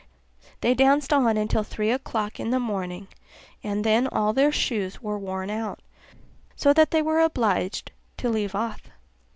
They danced on till three o'clock in the morning, and then all their shoes were worn out, so that they were obliged to leave off.